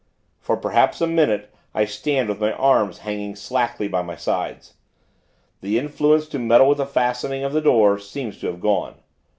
For, perhaps a minute, I stand, with my arms hanging slackly, by my sides. The influence to meddle with the fastenings of the door, seems to have gone.